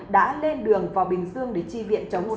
đã lên đường vào bình dương để chi viện chống